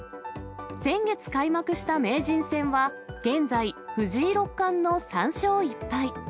先月開幕した名人戦は、現在、藤井六冠の３勝１敗。